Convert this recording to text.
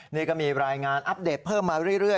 นี่ก็มีรายงานอัปเดตเพิ่มมาเรื่อย